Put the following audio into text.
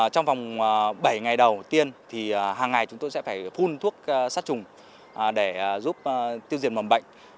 trong vòng bảy ngày đầu tiên thì hàng ngày chúng tôi sẽ phải phun thuốc sát trùng để giúp tiêu diệt mầm bệnh